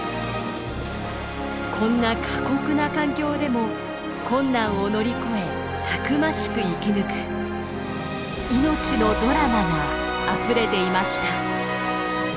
こんな過酷な環境でも困難を乗り越えたくましく生き抜く命のドラマがあふれていました。